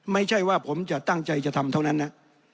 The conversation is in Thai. ไม่ใช่ว่าผมจะตั้งใจจะทำเท่านั้นนะ